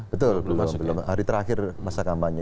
betul belum hari terakhir masa kampanye